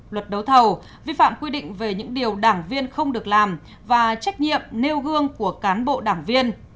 luật đấu thầu vi phạm quy định về những điều đảng viên không được làm và trách nhiệm nêu gương của cán bộ đảng viên